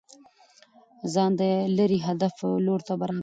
ځان د ليري هدف لور ته برابر كه